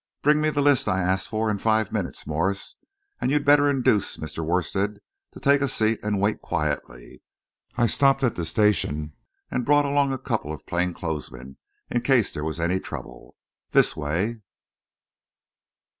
Bring me the list I asked for in five minutes, Morse, and you'd better induce Mr. Worstead to take a seat and wait quietly. I stopped at the station and brought along a couple of plain clothes men, in case there was any trouble. This way."